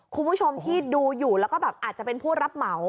คุณผู้ชมที่ดูอยู่แล้วก็แบบอาจจะเป็นผู้รับเหมา